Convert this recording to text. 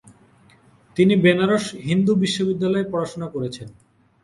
তিনি বেনারস হিন্দু বিশ্ববিদ্যালয়ে পড়াশোনা করেছেন।